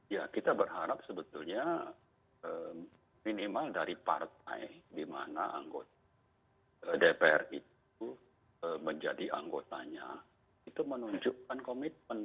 ya kita berharap sebetulnya minimal dari partai di mana anggota dpr itu menjadi anggotanya itu menunjukkan komitmen